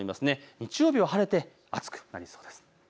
日曜日は晴れて暑くなりそうです。